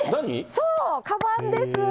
そう、かばんです。